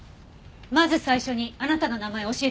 まず最初にあなたの名前を教えてください。